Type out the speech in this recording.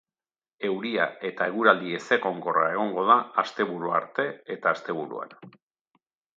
Euria eta eguraldi ezegonkorra egongo da asteburua arte eta asteburuan.